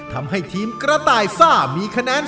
ทำให้ทีมกระต่ายซ่ามีคะแนน